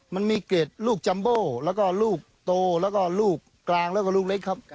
มันมีเกร็ดลูกจัมโบแล้วก็ลูกโตแล้วก็ลูกกลางแล้วก็ลูกเล็กครับ